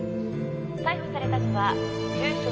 「逮捕されたのは住所